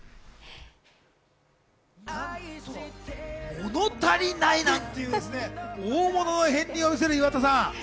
物足りないなんていうですね、大物の片りんを見せる岩田さん。